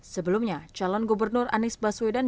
sebelumnya calon gubernur anies baswedan